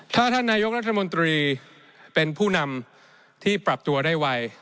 ถ้าท่านนายกรัฐมนตรีเป็นผู้นำที่ปรับตัวได้ไว